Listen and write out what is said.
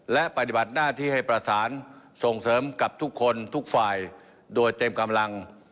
และปฏิบัติหน้าที่ให้ประสานส่งเสริมกับทุกคนทุกฝ่ายโดยเต็มกำลัง